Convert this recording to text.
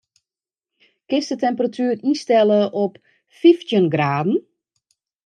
Kinst de temperatuer ynstelle op fyftjin graden?